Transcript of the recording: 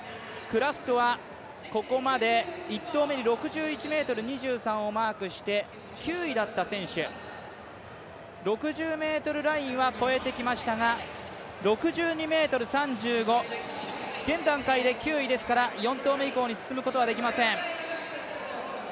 クラフトは、ここまで１投目に６１ｍ２３をマークして９位だった選手６０ｍラインは超えてきましたが６２ｍ３５現段階で９位ですから４投目以降に進むことができません